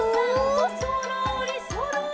「そろーりそろり」